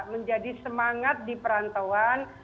menjadi semangat di perantauan